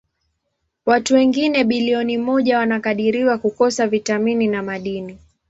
Watu wengine bilioni moja wanakadiriwa kukosa vitamini na madini.